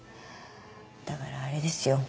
だからあれですよ。